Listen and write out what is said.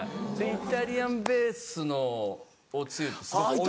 イタリアンベースのおつゆってすごく多いんですけど。